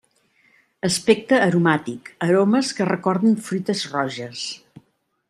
Aspecte aromàtic: aromes que recorden fruites roges.